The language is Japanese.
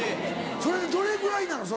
それでどれぐらいなの？